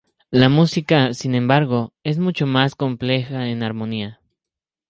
La música, sin embargo, es mucho más compleja en armonía.